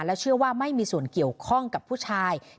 เชื่อว่าไม่มีส่วนเกี่ยวข้องกับผู้ชาย